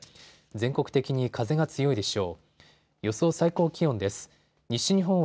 全国的に風が強いでしょう。